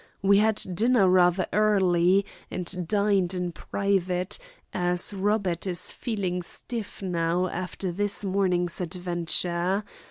We had dinner rather early, and dined in private, as Robert is feeling stiff now after this morning's adventure.